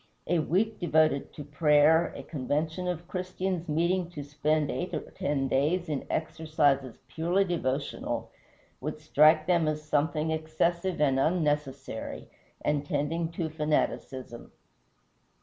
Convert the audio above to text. A week devoted to prayer, a convention of Christians meeting to spend eight or ten days in exercises purely devotional, would strike them as something excessive and unnecessary, and tending to fanaticism.